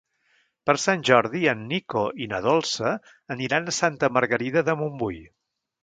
Per Sant Jordi en Nico i na Dolça aniran a Santa Margarida de Montbui.